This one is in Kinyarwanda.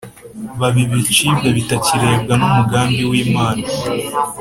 baba ibicibwa bitakirebwa n’umugambi w’Imana.